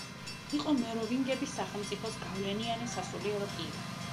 იყო მეროვინგების სახელმწიფოს გავლენიანი სასულიერო პირი.